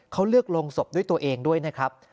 เขาเลือกโรงศพด้วยตัวเองด้วยนะครับ